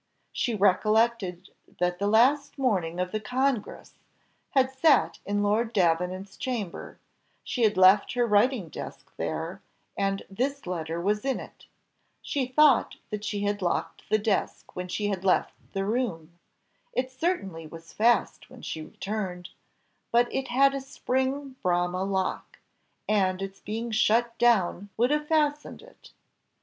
She recollected that the last morning the Congress had sat in Lord Davenant's cabinet, she had left her writing desk there, and this letter was in it; she thought that she had locked the desk when she had left the room, it certainly was fast when she returned, but it had a spring Bramah lock, and its being shut down would have fastened it.